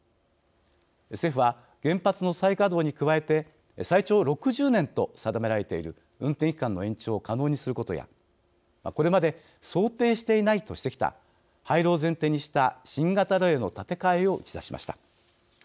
政府は、原発の再稼働に加えて最長６０年と定められている運転期間の延長を可能にすることやこれまで想定していないとしてきた廃炉を前提にした新型炉への建て替えを打ち出しました。